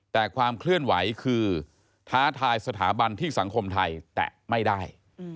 แต่ความเคลื่อนไหวคือท้าทายสถาบันที่สังคมไทยแตะไม่ได้